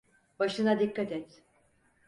Başına dikkat et.